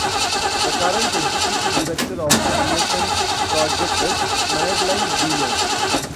The current executive director of the Innocence Project is Madeline deLone.